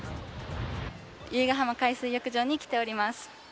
由比ガ浜海水浴場に来ております。